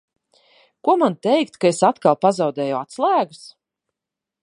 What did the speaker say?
Ko man teikt, ka es atkal pazaudēju atslēgas?